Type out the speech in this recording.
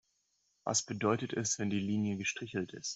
Was bedeutet es, wenn die Linie gestrichelt ist?